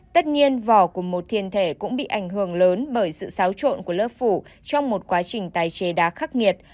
tất nhiên vỏ của một thiền thể cũng bị ảnh hưởng lớn bởi sự xáo trộn của lớp phủ trong một quá trình tái chế đá khắc nghiệt